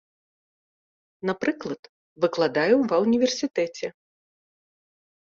Напрыклад, выкладаю ва універсітэце.